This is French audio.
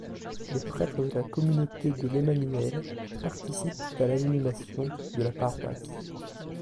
Les prêtres de la Communauté de l'Emmanuel participent à l’animation de la paroisse.